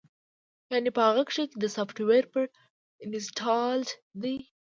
يعنې پۀ هغۀ کښې دا سافټوېر پري انسټالډ دے